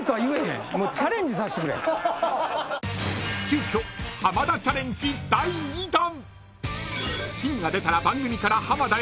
［急きょ浜田チャレンジ第２弾］